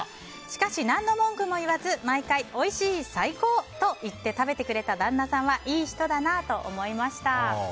しかし、何の文句も言わず毎回、おいしい、最高！と言って食べてくれた旦那さんはいい人だなと思いました。